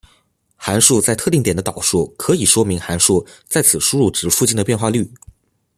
函数在特定点的导数可以说明函数在此输入值附近的变化率。